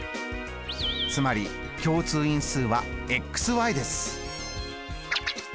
つまり共通因数はです。